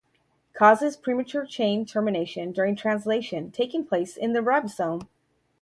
Causes premature chain termination during translation taking place in the ribosome.